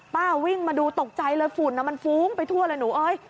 ป้าวิ่งมาดูตกใจเลยฝุ่นน้ำมันฟู๊งไปทั่วเลย